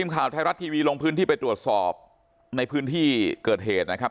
ข่าวไทยรัฐทีวีลงพื้นที่ไปตรวจสอบในพื้นที่เกิดเหตุนะครับ